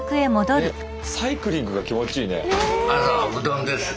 サイクリングが気持ちいいね。